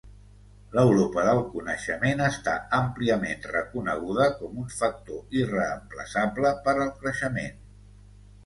l'Europa del coneixement està àmpliament reconeguda com un factor irreemplaçable per al creixement